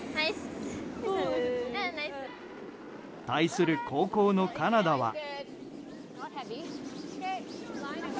対する後攻のカナダは。